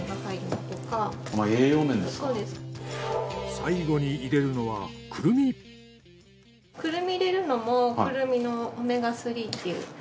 最後に入れるのはクルミ入れるのもクルミのオメガ３っていうのが。